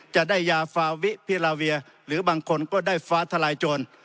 จะได้ยาฟาวิพิลาเวียหรือบางคนก็ได้ฟ้าทลายโจร